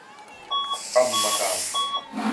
กรรมการ